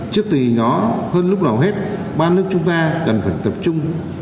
trước tùy nhỏ hơn lúc nào hết ba nước chúng ta cần phải tập trung